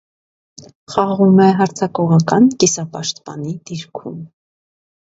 Խաղում է հարձակողական կիսապաշտպանի դիրքում։